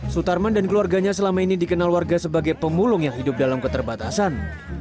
sutarman dan keluarganya selama ini dikenal warga sebagai pemulung yang hidup dalam keterbatasan